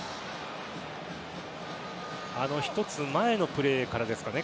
１つ前のプレーからですかね。